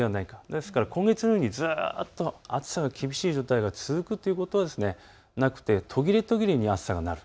ですから今月のようにずっと暑さが厳しい状態が続くということはなくて途切れ途切れに暑さがなる。